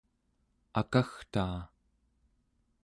akagtaa